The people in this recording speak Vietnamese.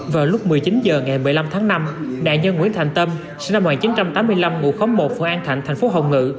vào lúc một mươi chín h ngày một mươi năm tháng năm nạn nhân nguyễn thành tâm sinh năm một nghìn chín trăm tám mươi năm ngụ khóm một phường an thạnh thành phố hồng ngự